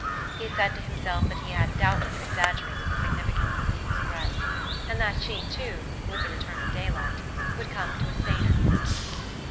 He said to himself that he had doubtless exaggerated the significance of Zeena's threats, and that she too, with the return of daylight, would come to a saner mood.